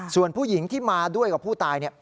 ส่วนผู้หญิงที่มาด้วยกับผู้ตายเนี่ย